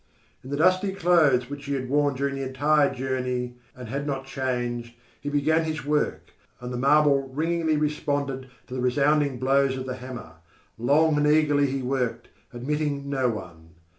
In the dusty clothes which he had worn during the entire journey and had not changed, he began his work, and the marble ringingly responded to the resounding blows of the hammer. Long and eagerly he worked, admitting no one.